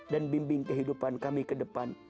dan bimbing kehidupan kami ke depan